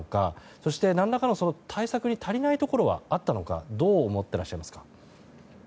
そして、何らかの対策に足りないところはあったのかどう思っていらっしゃいますか。